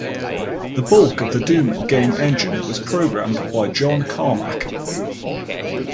The bulk of the "Doom" game engine was programmed by John Carmack.